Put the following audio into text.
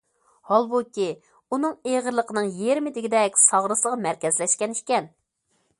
ھالبۇكى، ئۇنىڭ ئېغىرلىقىنىڭ يېرىمى دېگۈدەك ساغرىسىغا مەركەزلەشكەن ئىكەن!